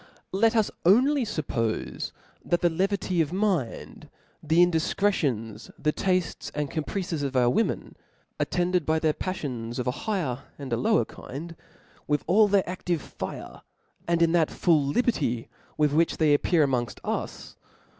Let us only fuppofe that the kvky of mind, the indifcretions, die taftcs and caprices of our • women, attended by their pafllops of a higher, and a lower kif)d> with all their a£):ive (ire^ and in that full liberty with which they appear amongft us